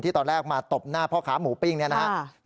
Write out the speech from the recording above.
ตอนแรกมาตบหน้าพ่อค้าหมูปิ้งเนี่ยนะครับ